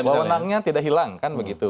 kalau menangnya tidak hilang kan begitu